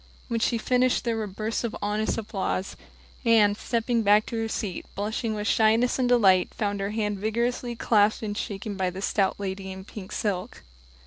When she finished there were bursts of honest applause. Anne, stepping back to her seat, blushing with shyness and delight, found her hand vigorously clasped and shaken by the stout lady in pink silk.